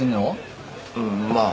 うんまあ。